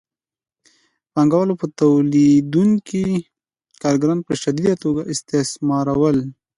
پانګوالو به تولیدونکي کارګران په شدیده توګه استثمارول